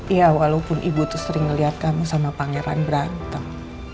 ya walaupun ibu tuh sering ngeliat kamu sama pangeran berantem